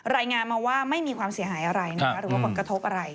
รายงานมาว่าไม่มีความเสียหายอะไรหรือว่าผลกระทบอะไร